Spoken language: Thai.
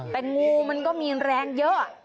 แต่งูมันก็มีแรงเยอะ